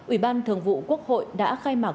ủy ban thường vụ quốc hội đã khai mạc